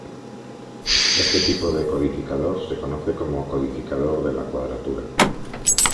Este tipo de codificador se conoce como codificador de la cuadratura.